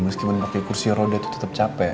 meskipun pakai kursi roda itu tetap capek